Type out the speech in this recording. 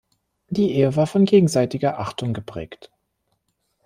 Die Ehe war von gegenseitiger Achtung geprägt.